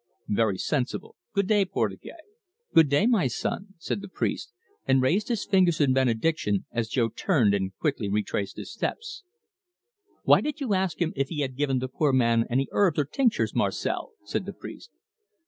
"Very sensible. Good day, Portugais." "Good day, my son," said the priest, and raised his fingers in benediction, as Jo turned and quickly retraced his steps. "Why did you ask him if he had given the poor man any herbs or tinctures, Marcel?" said the priest.